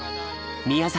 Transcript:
宮崎